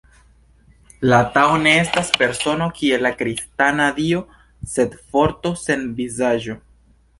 La Tao ne estas persono, kiel la kristana Dio, sed forto sen vizaĝo.